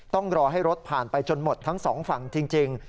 ต้องรอให้รถผ่านไปจนหมดทั้งสองฝั่งจริง